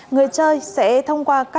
người chơi sẽ thông qua các tài khoản